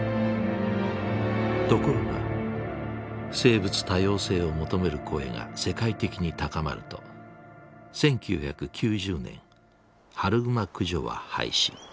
ところが生物多様性を求める声が世界的に高まると１９９０年春グマ駆除は廃止。